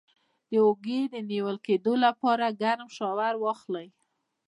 د اوږې د نیول کیدو لپاره ګرم شاور واخلئ